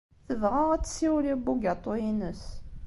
Tebɣa ad tessiwel i ubugaṭu-ines.